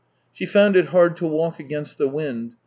... She found it hard to walk against the wind.